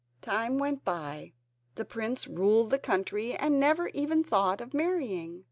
Time went by. The prince ruled the country and never even thought of marrying.